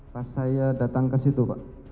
pas saya datang ke situ pak